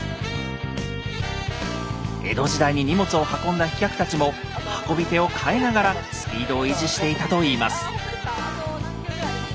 江戸時代に荷物を運んだ飛脚たちも運び手を代えながらスピードを維持していたといいます。